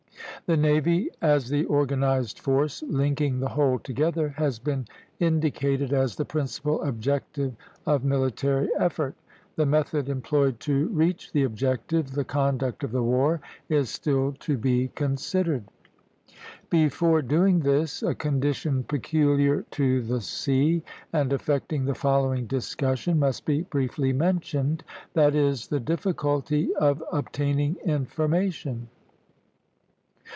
The navy, as the organized force linking the whole together, has been indicated as the principal objective of military effort. The method employed to reach the objective, the conduct of the war, is still to be considered. Before doing this a condition peculiar to the sea, and affecting the following discussion, must be briefly mentioned; that is, the difficulty of obtaining information.